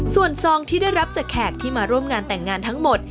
ส่วนซองที่ได้รับจากแขกที่มาร่วมงานแต่งงานทั้งหมด